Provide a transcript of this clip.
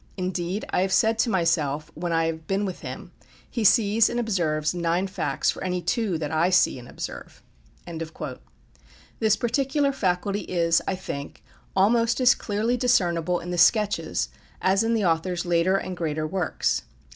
Indeed, I have said to myself when I have been with him, he sees and observes nine facts for any two that I see and observe." This particular faculty is, I think, almost as clearly discernible in the "Sketches" as in the author's later and greater works.